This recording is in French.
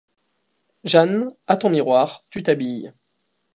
Jeanne, à ton miroir tu t’habilles!